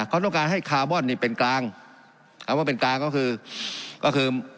เขาต้องการให้คาร์บอนนี่เป็นกลางคำว่าเป็นกลางก็คือก็คือ